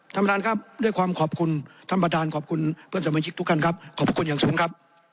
ท่านประธานครับด้วยความขอบคุณท่านประธานขอบคุณเพื่อนสมาชิกทุกท่านครับขอบคุณอย่างสูงครับ